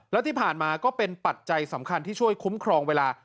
แล้วที่ผ่านมาก็เป็นปัจจัยสำคัญที่ช่วยคุ้มครองเวลา